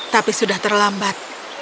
tapi sudah terlambat